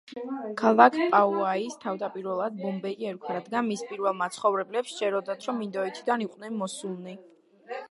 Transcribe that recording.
ქალაქ პაოაის თავდაპირველად „ბომბეი“ ერქვა, რადგან მის პირველ მაცხოვრებლებს სჯეროდათ, რომ ინდოეთიდან იყვნენ მოსულნი.